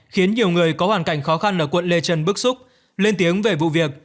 khiến nhiều người có hoàn cảnh khó khăn ở quận lê trân bức xúc lên tiếng về vụ việc